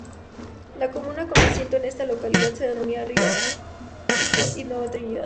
La comuna con asiento en esta localidad se denomina Río Chico y Nueva Trinidad.